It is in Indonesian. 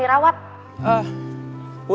serius lah tewin beruah